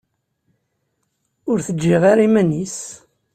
Ur t-ǧǧiɣ ara iman-is.